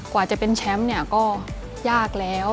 กว่าจะเป็นแชมป์ก็ยากแล้ว